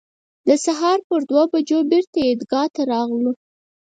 د سهار پر دوه بجو بېرته عیدګاه ته راغلو.